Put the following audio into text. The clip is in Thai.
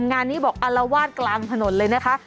งานนี้บอกอารวาสกลางถนนเลยนะคะ